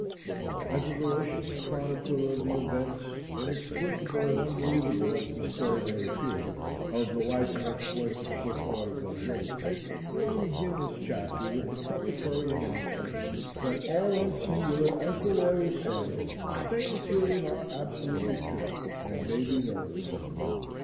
AS A VERACIOUS chronicler of the events, inexplicable and unbelievable as this story may appear, of the life and exploits of Swiftwater Bill Gates, I want to begin this chapter with the prefatory announcement that, all and singular, as the lawyers say, the statements herein are absolutely true and may be verified.